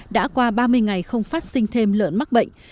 đã qua ba mươi ngày không phát sinh thêm lợn mắc bệnh